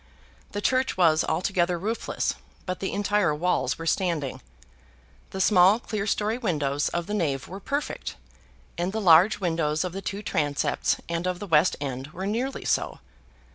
The church was altogether roofless, but the entire walls were standing. The small clerestory windows of the nave were perfect, and the large windows of the two transepts and of the west end were nearly so.